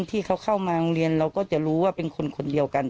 ที่เขาเข้ามาโรงเรียนเราก็จะรู้ว่าเป็นคนคนเดียวกัน